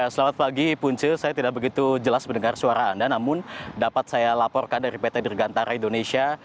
selamat pagi punce saya tidak begitu jelas mendengar suara anda namun dapat saya laporkan dari pt dirgantara indonesia